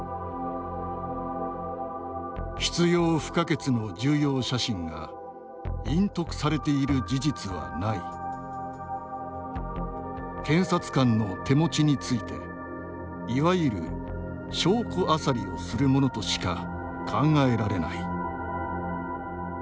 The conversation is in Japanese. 「必要不可欠の重要写真が隠匿されている事実はない検察官の手持ちについていわゆる、証拠あさりをするものとしか考えられない」